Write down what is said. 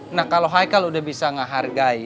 nah kalo haikal udah bisa menghargai